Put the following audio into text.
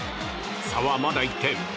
差は、まだ１点。